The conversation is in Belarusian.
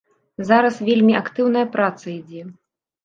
Зараз вельмі актыўная праца ідзе.